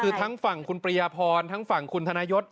คือทั้งฝั่งคุณปริยพรทั้งฝั่งคุณธนยศ